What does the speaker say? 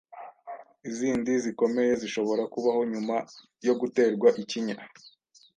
zindi zikomeye zishobora kubaho nyuma yo guterwa ikinya,